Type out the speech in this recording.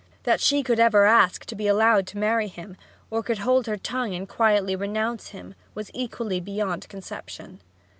That she could ever ask to be allowed to marry him, or could hold her tongue and quietly renounce him, was equally beyond conception.